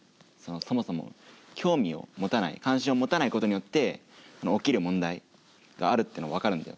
そもそも興味を持たない関心を持たないことによって起きる問題があるっていうのは分かるんだよ。